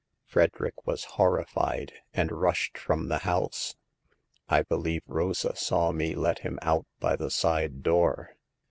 Frederick was horrified, and rushed from the house. I believe Rosa saw me let him out by the side door.